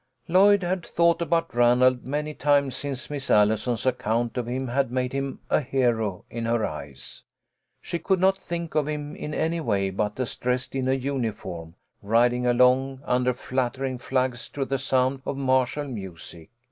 Lloyd had thought about Ranald many times since Miss Allison's account of him had made him a hero in her eyes. She could not think of him in any way but as dressed in a uniform, riding along under fluttering flags to the sound of martial music.